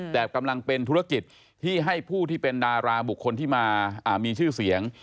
แต่กำลังเป็นธุรกิจที่ให้ผู้ที่เป็นดาราบุคคลที่มามีชื่อเสียง